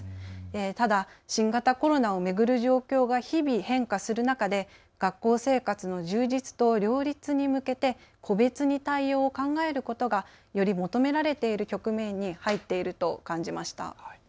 ただ新型コロナを巡る状況が日々変化する中で学校生活の充実と両立に向けて個別に対応を考えることがより求められている局面に入っていると感じました。